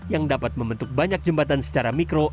yang dapat membentuk banyak jembatan secara mikro